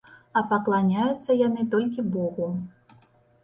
А пакланяюцца яны толькі богу.